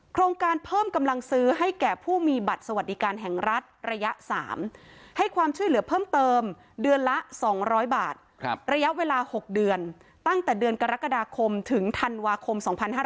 โครงการเพิ่มกำลังซื้อให้แก่ผู้มีบัตรสวัสดิการแห่งรัฐระยะ๓ให้ความช่วยเหลือเพิ่มเติมเดือนละ๒๐๐บาทระยะเวลา๖เดือนตั้งแต่เดือนกรกฎาคมถึงธันวาคม๒๕๕๙